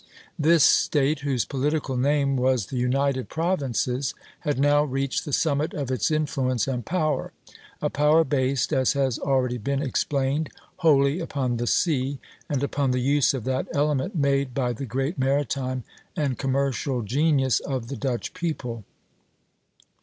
This State, whose political name was the United Provinces, had now reached the summit of its influence and power, a power based, as has already been explained, wholly upon the sea, and upon the use of that element made by the great maritime and commercial genius of the Dutch people.